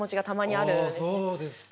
そうですか。